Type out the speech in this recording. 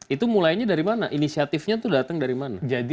itu mulainya dari mana inisiatifnya itu datang dari mana